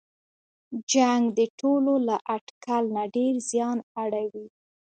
جنګ د ټولو له اټکل نه ډېر زیان اړوي.